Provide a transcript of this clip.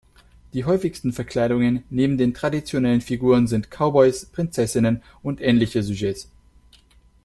Die häufigsten Verkleidungen neben den traditionellen Figuren sind Cowboys, Prinzessinnen und ähnliche Sujets.